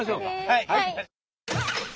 はい。